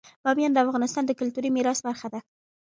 بامیان د افغانستان د کلتوري میراث برخه ده.